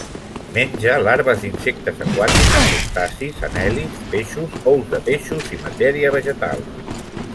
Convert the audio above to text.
Menja larves d'insectes aquàtics, crustacis, anèl·lids, peixos, ous de peixos i matèria vegetal.